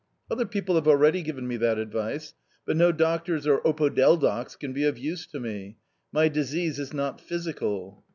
" Other people have already given me that advice, but no doctors or opodeldocs can be of use to me ; my disease is not physical."